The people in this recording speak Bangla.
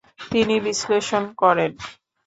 তিনি বিশ্লেষণ করেন ।